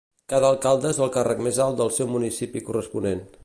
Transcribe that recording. Cada alcalde és el càrrec més alt del seu municipi corresponent.